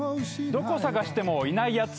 どこ探してもいないやつ。